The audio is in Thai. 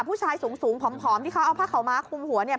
ผู้ชายสูงผอมที่เขาเอาผ้าขาวม้าคุมหัวเนี่ย